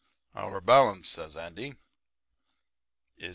'Our balance,' says Andy, 'is $821.